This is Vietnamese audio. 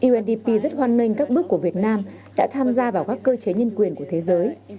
undp rất hoan nghênh các bước của việt nam đã tham gia vào các cơ chế nhân quyền của thế giới